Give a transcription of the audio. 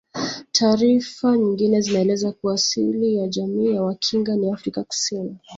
Taarifa nyingine zinaeleza kuwa asili ya jamii ya Wakinga ni Afrika Kusini